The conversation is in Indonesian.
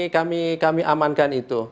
kami amankan itu